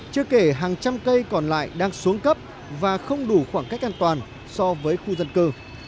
chưa kể hàng trăm cây còn lại đang xuống cấp và không đủ khoảng cách an toàn so với khu dân cư